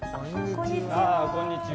こんにちは。